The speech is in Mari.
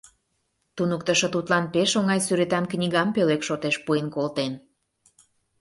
Туныктышо тудлан пеш оҥай сӱретан книгам пӧлек шотеш пуэн колтен.